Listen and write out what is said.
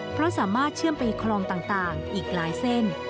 เพราะสามารถเชื่อมไปคลองต่างอีกหลายเส้น